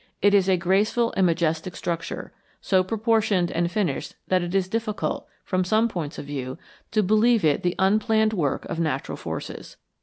It is a graceful and majestic structure, so proportioned and finished that it is difficult, from some points of view, to believe it the unplanned work of natural forces.